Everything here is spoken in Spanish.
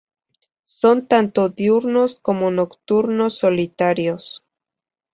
Son tanto diurnos como nocturnos solitarios.